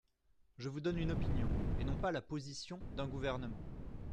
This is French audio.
Je vous donne une opinion, et non pas la position d’un gouvernement.